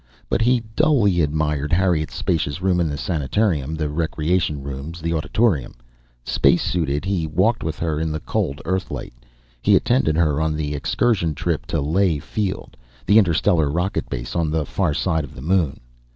But he duly admired Harriet's spacious room in the sanatorium, the recreation rooms, the auditorium; space suited, he walked with her in the cold Earthlight; he attended her on the excursion trip to Ley Field, the interstellar rocket base on the far side of the Moon.